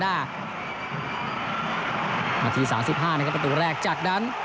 นาที๓๕นะครับประตูแรกจากนั้น